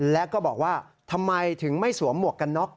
แล้วก็บอกว่าทำไมถึงไม่สวมหมวกกันน็อก